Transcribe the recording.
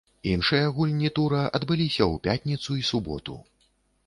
Іншыя гульні тура адбыліся ў пятніцу і суботу.